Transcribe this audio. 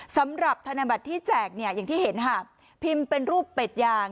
สำหรับธนบัตรที่แจกเนี่ยอย่างที่เห็นค่ะพิมพ์เป็นรูปเป็ดยาง